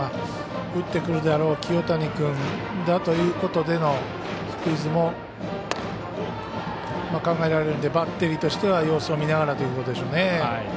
打ってくるであろう清谷君だということでのスクイズも考えられるのでバッテリーとしては様子を見ながらということでしょうね。